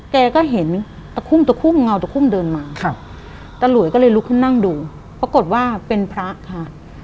แกก็เห็นตะคุ่มตะคุ่มเงาตะคุ่มเดินมาครับตะหลวยก็เลยลุกขึ้นนั่งดูปรากฏว่าเป็นพระค่ะ